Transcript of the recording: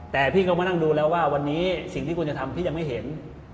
แต่พี่ก็มานั่งดูแล้วว่าวันนี้สิ่งที่คุณจะทำพี่ยังไม่เห็น